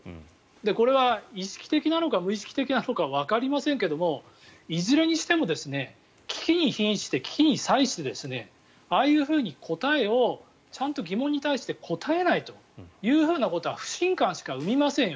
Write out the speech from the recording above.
これは意識的なのか無意識的なのかわかりませんけれどもいずれにしても危機にひんして、危機に際してああいうふうに答えをちゃんと疑問に対して答えないということは不信感しか生みませんよ